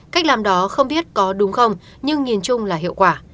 cách làm đó không biết có đúng không nhưng nhìn chung là hiệu quả